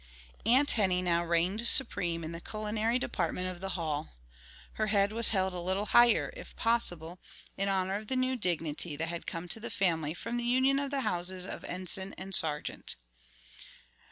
Aunt Henny now reigned supreme in the culinary department of the Hall. Her head was held a little higher, if possible, in honor of the new dignity that had come to the family from the union of the houses of Enson and Sargeant.